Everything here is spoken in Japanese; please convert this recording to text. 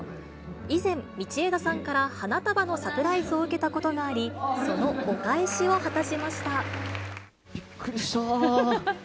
以前、道枝さんから花束のサプライズを受けたことがあり、そのお返しをびっくりしたー。